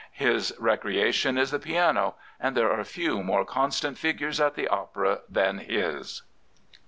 His recreation is the piano, and there are few more constant figures at the opera than his.